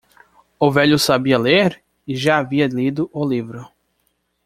O velho sabia ler? e já havia lido o livro.